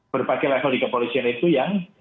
berbagai level di kepolisian itu yang